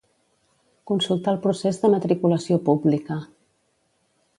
Consultar el procés de matriculació pública.